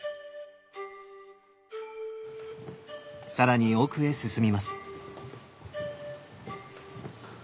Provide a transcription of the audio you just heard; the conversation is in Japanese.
更に奥へ進みます。